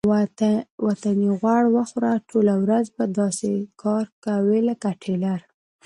وطني غوړ وخوره ټوله ورځ به داسې کار کوې لکه ټېلر.